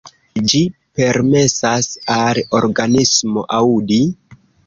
Ĝi permesas al organismo aŭdi.